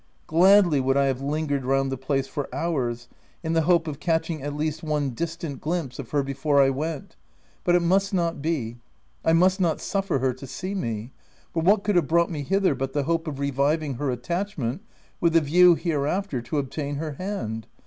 Gladly would I have lingered round the place for hours, in the hope of catching, at least one distant glimpse of her OF WILDFELIi HALL. 309 before I went, but it must not be : I must not suffer her to see me; for what could have brought me hither but the hope of reviving her attachment, with a view, hereafter to obtain her hand